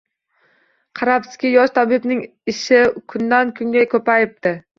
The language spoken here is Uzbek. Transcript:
Qarabsizki, yosh tabibning ishi kundan-kunga ko‘payibdi